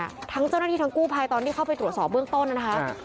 ทั้งเจ้าหน้าที่ทั้งกู้ภัยตอนที่เข้าไปตรวจสอบเบื้องต้นนะคะ